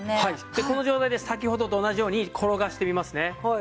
でこの状態で先ほどと同じように転がしてみますね。